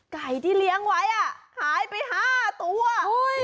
ไก่ที่เลี้ยงไว้อ่ะหายไปห้าตัว